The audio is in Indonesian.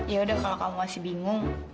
yaudah kalau kamu masih bingung